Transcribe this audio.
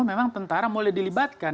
memang tentara mulai dilibatkan